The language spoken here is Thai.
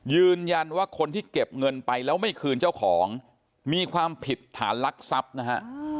ยืนยันว่าคนที่เก็บเงินไปแล้วไม่คืนเจ้าของมีความผิดฐานลักทรัพย์นะฮะ